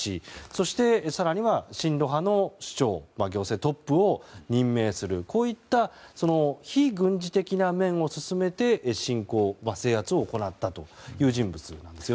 そして、更には親ロシア派の首長行政トップをこういった非軍事的な面を進めて侵攻、制圧を行ったという人物です。